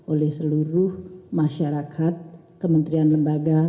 oleh seluruh masyarakat kementerian lembaga